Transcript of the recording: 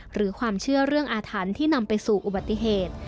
หรือความเชื่อเรื่องอาถรรพ์ที่นำไปสู่อุบัติเหตุ